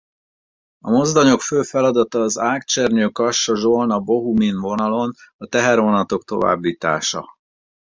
A mozdonyok fő feladata az Ágcsernyő-Kassa-Zsolna-Bohumín vonalon a tehervonatok továbbítása.